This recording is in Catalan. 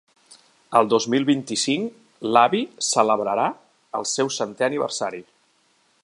El dos mil vint-i-cinc, l'avi celebrarà el seu centè aniversari.